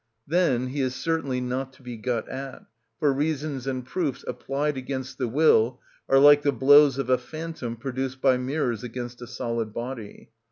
Then he is certainly not to be got at, for reasons and proofs applied against the will are like the blows of a phantom produced by mirrors against a solid body.